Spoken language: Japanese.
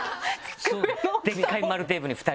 でっかい丸テーブルに２人。